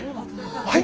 はい？